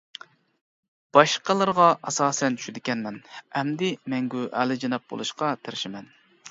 باشقىلىرىغا ئاساسەن چۈشىدىكەنمەن، ئەمدى مەڭگۈ ئالىيجاناب بولۇشقا تىرىشىمەن.